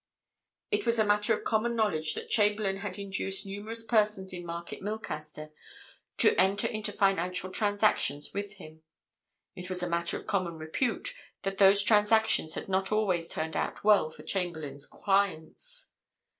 It was matter of common knowledge that Chamberlayne had induced numerous persons in Market Milcaster to enter into financial transactions with him; it was matter of common repute that those transactions had not always turned out well for Chamberlayne's clients.